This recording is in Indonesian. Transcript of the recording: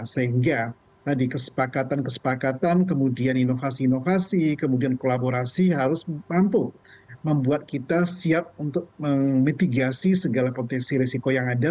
sehingga tadi kesepakatan kesepakatan kemudian inovasi inovasi kemudian kolaborasi harus mampu membuat kita siap untuk memitigasi segala potensi risiko yang ada